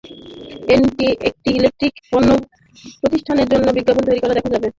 একটি ইলেকট্রিক পণ্য প্রস্তুতকারক প্রতিষ্ঠানের জন্য তৈরি বিজ্ঞাপনে দেখা যাবে তাঁকে।